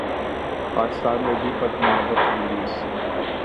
پاکستان میں بھی پدماوت ریلیز